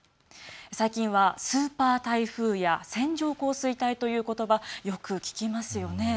最近はスーパー台風や線状降水帯ということば、よく聞きますよね。